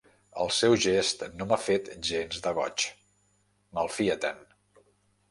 El seu gest no m'ha fet gens de goig: malfia-te'n!